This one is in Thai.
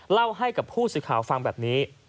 เล่าให้กับผู้สื่อข่าวฟังแบบนี้